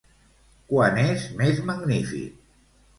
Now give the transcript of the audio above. Quan és més magnífic?